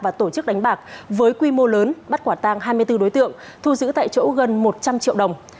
và tổ chức đánh bạc với quy mô lớn bắt quả tang hai mươi bốn đối tượng thu giữ tại chỗ gần một trăm linh triệu đồng